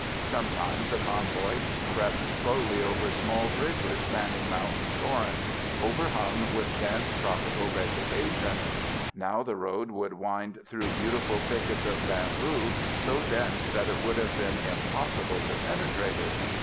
Sometimes the convoy crept slowly over small bridges spanning mountain torrents, overhung with dense, tropical vegetation. Now the road would wind through beautiful thickets of bamboo, so dense that it would have been impossible to penetrate it.